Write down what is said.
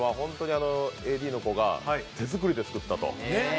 ＡＤが手作りで作ったと。